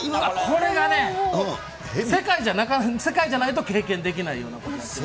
これがね、世界じゃないと経験できないようなことやってます。